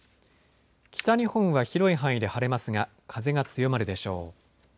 北日本は広い範囲で晴れますが風が強まるでしょう。